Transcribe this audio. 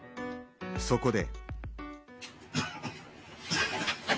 そこで。